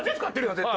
絶対。